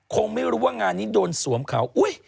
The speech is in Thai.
คงไม่รู้ว่างานนี้โดนสวมเขาอุ๊ย